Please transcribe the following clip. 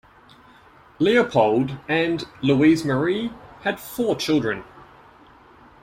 Leopold and Louise-Marie had four children.